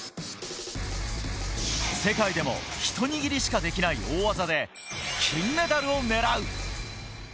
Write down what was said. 世界でも、ひと握りしかできない大技で金メダルをねらう。